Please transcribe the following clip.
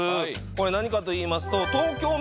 これ何かといいますと。